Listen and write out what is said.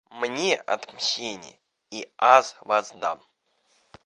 Мне отмщение, и Аз воздам.